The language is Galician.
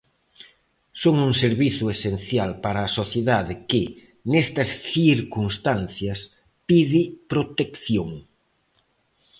Son un servizo esencial para a sociedade que, nestas circunstancias, pide protección.